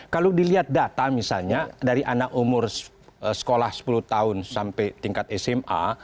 kalau dilihat data misalnya dari anak umur sekolah sepuluh tahun sampai tingkat sma